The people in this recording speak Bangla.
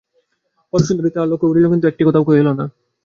হরসুন্দরী তাহা লক্ষ্য করিল কিন্তু একটি কথাও কহিল না।